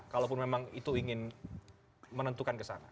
kalaupun memang itu ingin menentukan ke sana